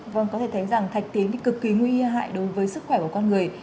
vâng có thể thấy rằng thạch tín thì cực kỳ nguy hại đối với sức khỏe của con người